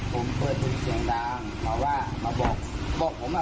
ผมเปิดเพลงเสียงดังมาว่ามาบอกบอกผมอ่ะ